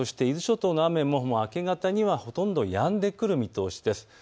伊豆諸島の雨も明け方にはほとんどやんでくる見通しです。